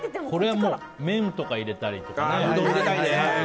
これはもう麺とか入れたりね。